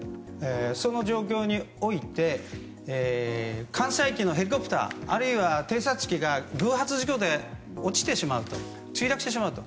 その状況において、ヘリコプターあるいは航空機が偶発事故で落ちてしまう墜落してしまうと。